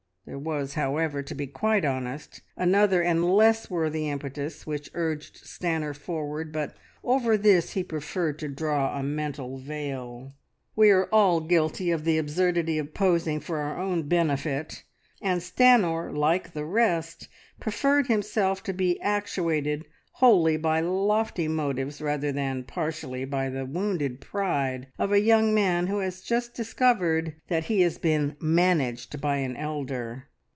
... There was, however, to be quite honest, another and less worthy impetus which urged Stanor forward, but over this he preferred to draw a mental veil. We are all guilty of the absurdity of posing for our own benefit, and Stanor, like the rest, preferred to believe himself actuated wholly by lofty motives rather than partially by the wounded pride of a young man who has just discovered that he has been "managed" by an elder!